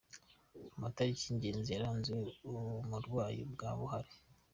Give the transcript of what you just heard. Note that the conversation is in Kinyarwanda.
Amatariki y’ ‘ ingenzi yaranze uburwayi bwa Buhari.